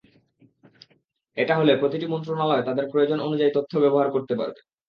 এটা হলে প্রতিটি মন্ত্রণালয় তাদের প্রয়োজন অনুযায়ী তথ্য ব্যবহার করতে পারবে।